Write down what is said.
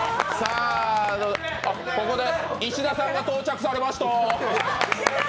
ここで石田さんが到着されました。